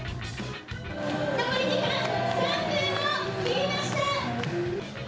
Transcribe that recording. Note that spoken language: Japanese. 残り時間３分を切りました。